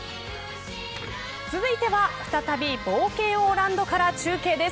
続いては、再び冒険王ランドから中継です。